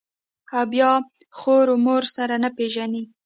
او بيا خور و مور سره نه پېژني.